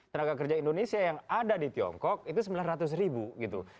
tenaga kerja indonesia yang ada di tiongkok itu sembilan ratus ribu gitu